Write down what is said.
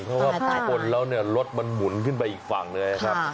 เพราะว่าพอชนแล้วเนี่ยรถมันหมุนขึ้นไปอีกฝั่งเลยครับ